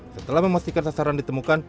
setelah memastikan sasaran ditemukan